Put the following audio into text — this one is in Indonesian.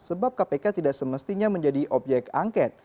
sebab kpk tidak semestinya menjadi obyek angket